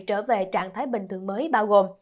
trở về trạng thái bình thường mới bao gồm